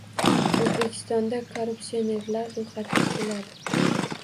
O‘zbekistonda korrupsionerlar ro‘yxati tuziladi